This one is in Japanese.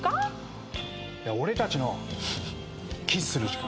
俺たちのキスする時間。